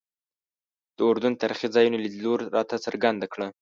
د اردن تاریخي ځایونو لیدلو راته څرګنده کړه.